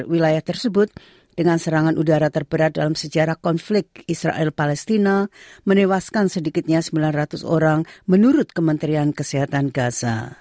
wilayah tersebut dengan serangan udara terberat dalam sejarah konflik israel palestina menewaskan sedikitnya sembilan ratus orang menurut kementerian kesehatan gaza